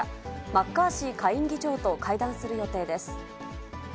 マッカーシー下院議長と会談する予定です。